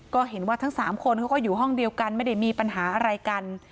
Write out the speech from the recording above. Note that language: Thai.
ก็เห็นว่าทั้ง๓คนเขาก็อยู่ห้องเดียวกันไม่ได้มีปัญหาอะไรกัน